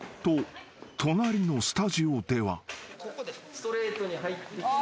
ストレートに入ってきて。